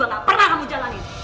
yang gak pernah kamu jalani